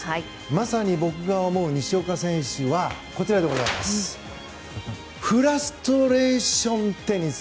まさに僕が思う西岡選手はフラストレーションテニス。